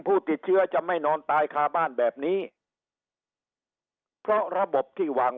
ผู้ติดเชื้อจะไม่นอนตายคาบ้านแบบนี้เพราะระบบที่วาง